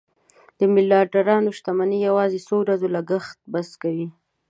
د میلیاردرانو شتمني یوازې څو ورځو لګښت بس کوي.